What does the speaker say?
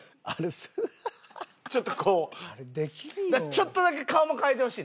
ちょっとだけ顔も変えてほしい。